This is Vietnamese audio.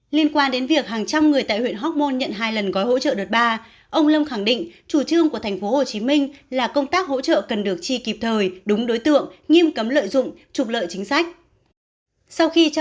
liên quan đến việc hàng trăm người tại huyện hóc môn nhận hai lần gói hỗ trợ đợt ba ông lâm khẳng định chủ trương của tp hcm là công tác hỗ trợ cần được chi kịp thời đúng đối tượng nghiêm cấm lợi dụng trục lợi chính sách